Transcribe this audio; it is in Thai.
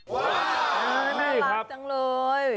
ว้าวน่ารักจังเลย